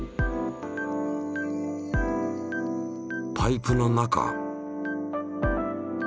パイプの中。